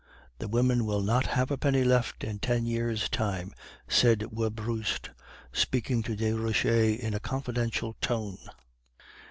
"'The women will not have a penny left in ten years' time,' said Werbrust, speaking to Desroches in a confidential tone.